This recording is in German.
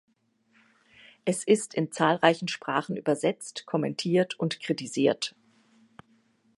Es ist in zahlreichen Sprachen übersetzt, kommentiert und kritisiert.